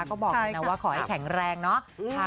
ก็บอกเลยนะว่าขอให้แข็งแรงเนาะ